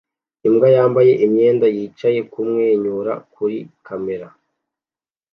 Imbwa yambaye imyenda yicaye kumwenyura kuri kamera